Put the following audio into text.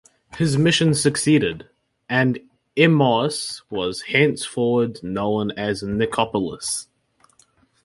His mission succeeded, and Emmaus was henceforward known as Nicopolis.